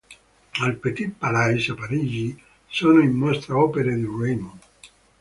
Al Petit Palais, a Parigi, sono in mostra opere di Reymond.